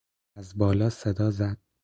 از بالا صدا زد.